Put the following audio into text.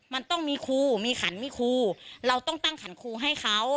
มันต้องมีครูมีขันมีครูเราต้องตั้งขันครูให้เขา